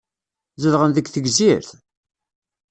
Zedɣen deg Tegzirt?